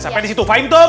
sampai disitu fahimtum